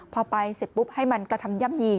พอไปเสร็จปุ๊บให้มันกระทำย่ำยี